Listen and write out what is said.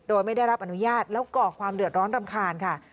โดยไม่ได้รับอนุญาตแล้วก่อความเดือดร้อนรำคาญค่ะ